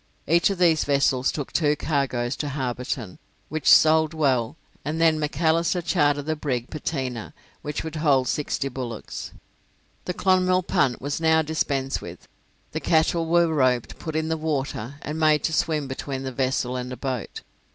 Each of these vessels took two cargoes to Hobarton, which sold well, and then Macalister chartered the brig 'Pateena', which would hold sixty bullocks. The 'Clonmel' punt was now dispensed with; the cattle were roped, put in the water, and made to swim between the vessel and a boat.